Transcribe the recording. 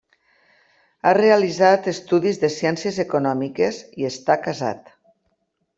Ha realitzat estudis de ciències econòmiques i està casat.